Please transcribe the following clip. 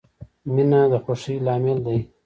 • مینه د خوښۍ لامل دی.